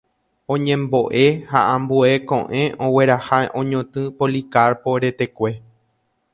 Oñembo'e ha ambue ko'ẽ ogueraha oñotỹ Policarpo retekue.